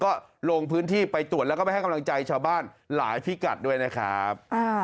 ก็ลงพื้นที่ไปตรวจแล้วก็ไปให้กำลังใจชาวบ้านหลายพิกัดด้วยนะครับ